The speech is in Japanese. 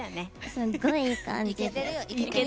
すごい、いい感じ。